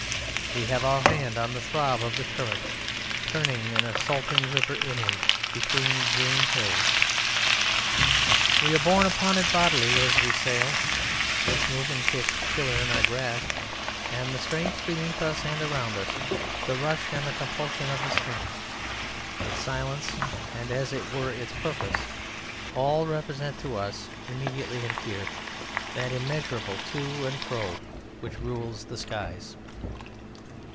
We have our hand on the throb of the current turning in a salting river inland between green hills; we are borne upon it bodily as we sail, its movement kicks the tiller in our grasp, and the strength beneath us and around us, the rush and the compulsion of the stream, its silence and as it were its purpose, all represent to us, immediately and here, that immeasurable to and fro which rules the skies.